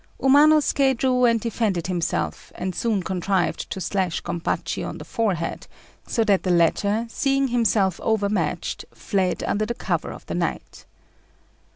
Umanosuké drew and defended himself, and soon contrived to slash Gompachi on the forehead; so that the latter, seeing himself overmatched, fled under the cover of the night.